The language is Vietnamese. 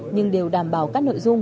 nhưng đều đảm bảo các nội dung